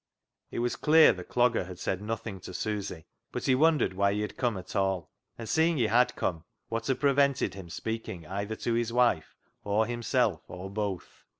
It was clear the Clogger had said nothing to Susy, but he wondered why he had come at all ; and seeing he had come, what had prevented him speaking either to his wife or himself, or both